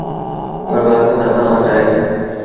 پر وآپس اڀآنٚ وٽ آئيٚس۔